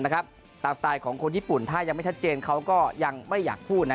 สไตล์ของคนญี่ปุ่นถ้ายังไม่ชัดเจนเขาก็ยังไม่อยากพูด